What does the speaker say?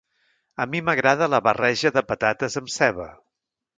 A mi m'agrada la barreja de patates amb ceba.